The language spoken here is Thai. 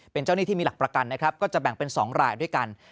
เป็นเจ้าหนี้ที่มีหลักประกันนะครับก็จะแบ่งเป็น๒รายด้วยกัน